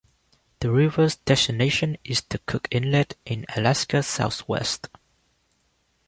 The river's destination is the Cook Inlet in Alaska's southwest.